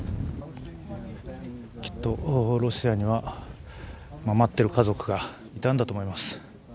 きっとロシアには待っている家族がいたんだと思います。